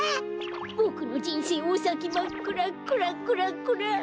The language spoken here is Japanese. ボクのじんせいおさきまっくらクラクラクラ。